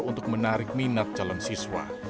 untuk menarik minat calon siswa